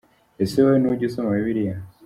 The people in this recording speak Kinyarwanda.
Ese wowe ntujya usoma Bibliya ?